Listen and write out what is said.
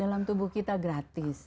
dalam tubuh kita gratis